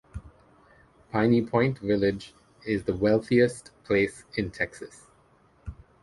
Piney Point Village is the wealthiest place in Texas.